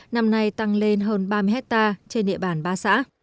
năm nay tăng lên hơn ba mươi hectare trên địa bàn ba xã